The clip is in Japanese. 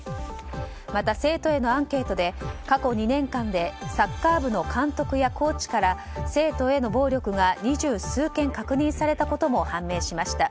また生徒へのアンケートで過去２年間でサッカー部の監督やコーチから生徒への暴力が二十数件、確認されたことも判明しました。